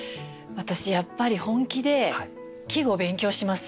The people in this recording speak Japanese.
私やっぱり本気で季語勉強します。